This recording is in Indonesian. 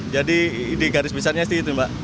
jadi ide garis pisahnya itu mbak